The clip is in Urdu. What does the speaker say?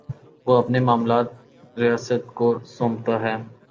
وہ اپنے معاملات ریاست کو سونپتا ہے۔